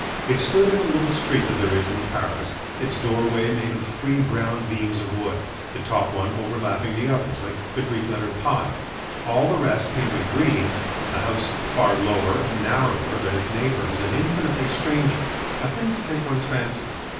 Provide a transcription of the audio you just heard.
It stood in a little street that there is in Paris, its doorway made of three brown beams of wood, the top one overlapping the others like the Greek letter pi, all the rest painted green, a house far lower and narrower than its neighbours and infinitely stranger, a thing to take one's fancy.